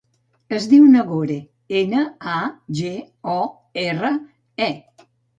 Es diu Nagore: ena, a, ge, o, erra, e.